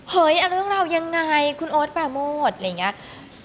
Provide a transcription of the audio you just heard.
เรื่องราวยังไงคุณโอ๊ตปราโมทอะไรอย่างนี้